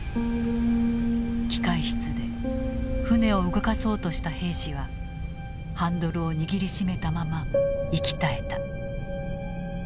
機械室で船を動かそうとした兵士はハンドルを握りしめたまま息絶えた。